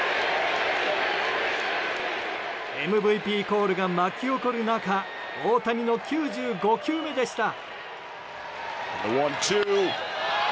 ＭＶＰコールが巻き起こる中大谷の９５球目でした。